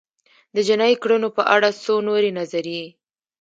د جنایي کړنو په اړه څو نورې نظریې